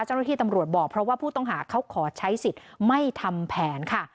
เจ้าหน้าที่ตำรวจบอกเพราะว่าผู้ต้องหาเขาขอใช้สิทธิ์ไม่ทำแผนค่ะ